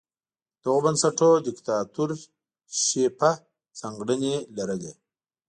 دغو بنسټونو دیکتاتورشیپه ځانګړنې لرلې.